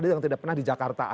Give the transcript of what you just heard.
yang tidak pernah di jakarta